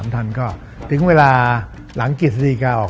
๒๓ท่านก็ถึงเวลาหลังกิจสติกาออก